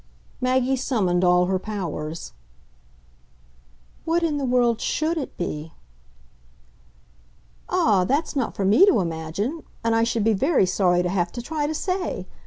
Maggie summoned all her powers. "What in the world SHOULD it be?" "Ah, that's not for me to imagine, and I should be very sorry to have to try to say!